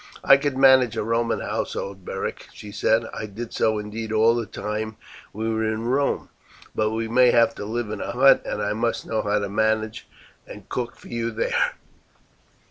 "I could manage a Roman household, Beric," she said. "I did so indeed all the time we were in Rome; but we may have to live in a hut, and I must know how to manage and cook for you there."